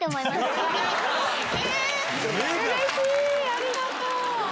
ありがとう！